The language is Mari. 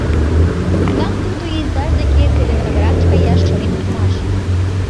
Тунам тудо изаж деке, Целиноградыш, каяш шонен улмаш.